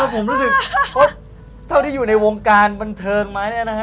ผมรู้สึกว่าเท่าที่อยู่ในวงการบันเทิงมาเนี่ยนะฮะ